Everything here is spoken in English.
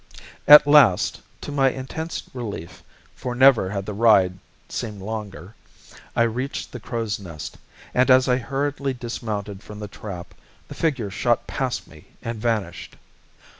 At last, to my intense relief for never had the ride seemed longer I reached the Crow's Nest, and as I hurriedly dismounted from the trap, the figures shot past me and vanished.